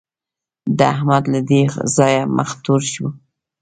د احمد له دې ځايه مخ تور شو.